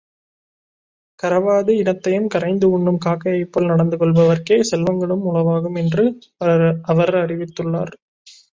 கரவாது இனத்தையும் கரைந்து உண்ணும் காக்கையைப் போல் நடந்து கொள்பவர்க்கே செல்வங்களும் உளவாகும் என்று அவர் அறிவித்துள்ளார்.